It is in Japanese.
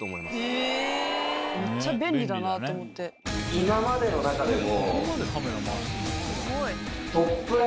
今までの中でも。